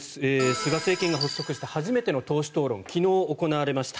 菅政権が発足して初めての党首討論が昨日行われました。